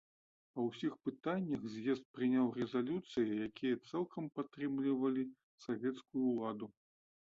Па ўсіх пытаннях з'езд прыняў рэзалюцыі, якія цалкам падтрымлівалі савецкую ўладу.